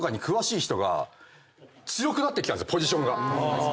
ポジションが。